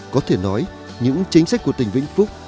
có thể nói những chính sách của tỉnh vĩnh phúc